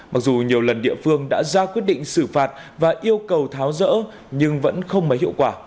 mặc dù nhiều lần địa phương đã ra quyết định xử phạt và yêu cầu tháo rỡ nhưng vẫn không mấy hiệu quả